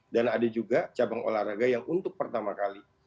dan ada juga cabang olahraga yang untuk pertama kali